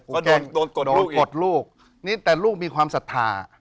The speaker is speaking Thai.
ก็โดนกดลูกกดลูกนี่แต่ลูกมีความศรัทธา